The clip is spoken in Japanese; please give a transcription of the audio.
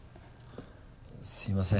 すいません。